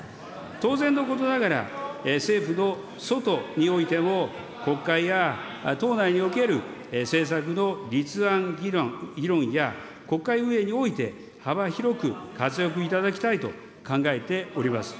当然のことながら、政府の外においても国会や党内における政策の立案議論や、国会運営において幅広く活躍いただきたいと考えております。